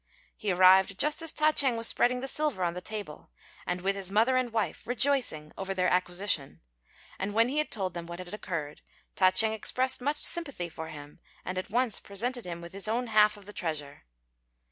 He arrived just as Ta ch'êng was spreading the silver on the table, and with his mother and wife rejoicing over their acquisition; and when he had told them what had occurred, Ta ch'êng expressed much sympathy for him, and at once presented him with his own half of the treasure.